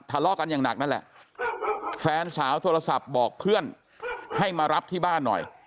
ทะเลาะกันอย่างหนักนั่นแหละแฟนสาวโทรศัพท์บอกเพื่อนให้มารับที่บ้านหน่อย